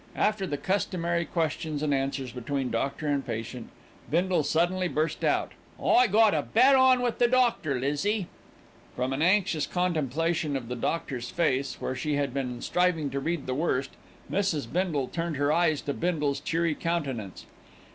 After the customary questions and answers between doctor and patient, Bindle suddenly burst out. "I got a bet on with the doctor, Lizzie." From an anxious contemplation of the doctor's face, where she had been striving to read the worst, Mrs. Bindle turned her eyes to Bindle's cheery countenance.